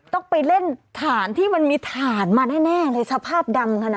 ต้องไปเล่นถ่านที่มันมีถ่านเลยสภาพดำขนาดนั้น